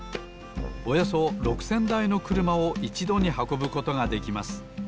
およそ６，０００だいのくるまをいちどにはこぶことができます